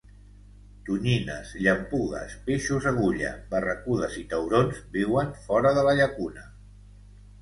Tonyines, llampugues, peixos agulla, barracudes i taurons viuen fora de la llacuna.